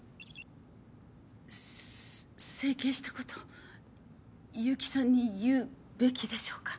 整形したこと結城さんに言うべきでしょうか？